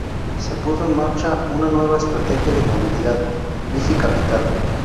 Se puso en marcha una nueva estrategia de movilidad: Bici Capital.